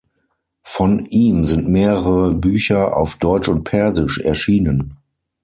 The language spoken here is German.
Von ihm sind mehrere Bücher auf Deutsch und Persisch erschienen.